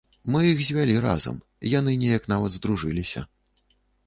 Мы іх звялі разам, яны неяк нават здружыліся.